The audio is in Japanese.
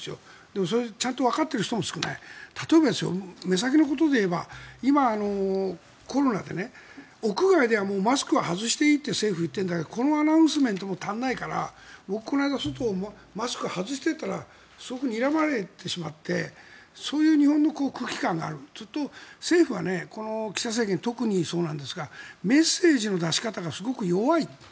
でも、それちゃんとわかっている人も少ない例えば、目先のことで言えば今、コロナで屋外ではマスクは外していいって政府は言ってるんだけどこのアナウンスメントも足りないから僕、この間外でマスクを外していたらすごくにらまれてしまってそういう日本の空気感があるというのと、政府が岸田政権特にそうなんですがメッセージの出し方がすごく弱い。